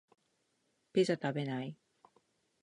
ピザ食べない？